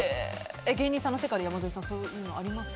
芸人さんの世界で山添さんそういうのありますか？